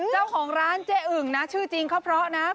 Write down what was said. เจ้าของร้านเจ๊อึ่งนะชื่อจริงเขาเพราะนะ